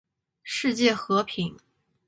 世界和平